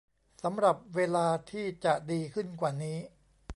สำหรับเวลาที่จะดีขึ้นกว่านี้